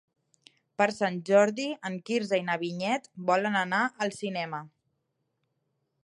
Per Sant Jordi en Quirze i na Vinyet volen anar al cinema.